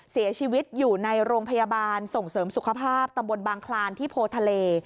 เสียชีวิตอยู่ในโรงพยาบาลส่งเสริมสุขภาพตำบลบางคลานที่โพทะเล